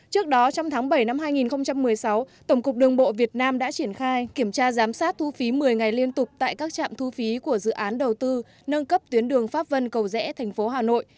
trước đó trong tháng bảy năm hai nghìn một mươi sáu tổng cục đường bộ việt nam đã triển khai kiểm tra giám sát thu phí một mươi ngày liên tục tại các trạm thu phí của dự án đầu tư nâng cấp tuyến đường pháp vân cầu rẽ thành phố hà nội